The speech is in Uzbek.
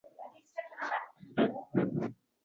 Do‘konchi va xotini qo‘lga tushgan.